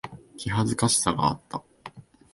気恥ずかしさがあった。